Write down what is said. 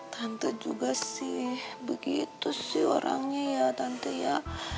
tante juga sih begitu sih orangnya ya tante ya